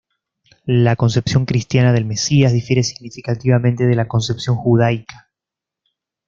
La concepción cristiana del Mesías difiere significativamente de la concepción judaica.